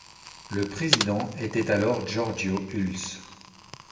Le président était alors Giorgio Hulss.